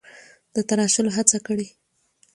د تراشلو هڅه کړې: